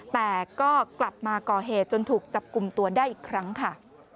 แต่ก็กลับมาก่อเหตุจนถูกจับกลุ่มตัวได้อีกครั้งค่ะ